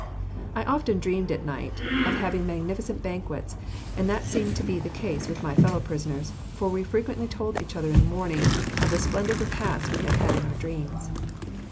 I often dreamed at night of having magnificent banquets, and that seemed to be the case with my fellow prisoners, for we frequently told each other in the morning of the splendid repasts we had had in our dreams.